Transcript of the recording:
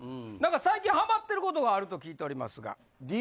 何か最近ハマってる事があると聞いておりますが。